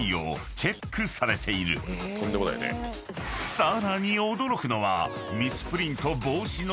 ［さらに驚くのは］